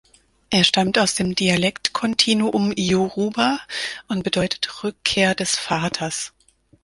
Er stammt aus dem Dialektkontinuum "Yoruba" und bedeutet "Rückkehr des Vaters".